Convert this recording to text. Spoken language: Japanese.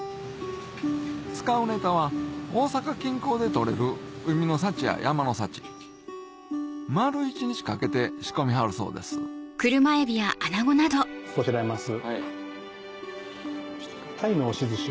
使うネタは大阪近郊で取れる海の幸や山の幸丸一日かけて仕込みはるそうですこしらえます。